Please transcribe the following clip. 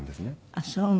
あっそう。